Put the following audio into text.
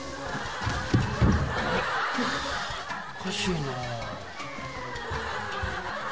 おかしいな。